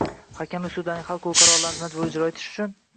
Hakamlik sudlarining hal qiluv qarorlarini majburiy ijro etish uchun